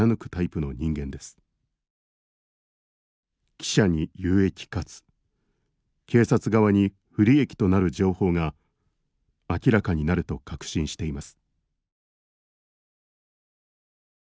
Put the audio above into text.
「貴社に有益かつ警察側に不利益となる情報が明らかになると確信しています」。